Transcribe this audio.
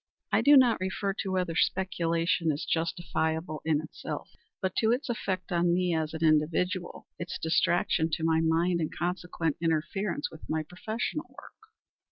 "I do not refer to whether speculation is justifiable in itself, but to its effect on me as an individual its distraction to my mind and consequent interference with my professional work."